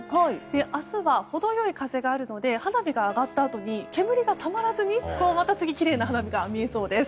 明日は程良い風があるので花火が上がったあとに煙がたまらずにまた次、きれいな花火が見られそうです。